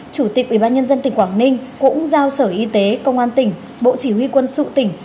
chủ tịch ủy ban nhân dân tỉnh quảng ninh cũng giao sở y tế công an tỉnh bộ chỉ huy quân sự tỉnh